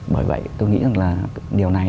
bởi vậy tôi nghĩ là điều này